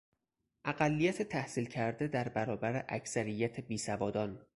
اقلیت تحصیل کرده در برابر اکثریت بیسوادان